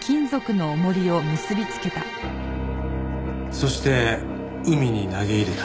そして海に投げ入れた。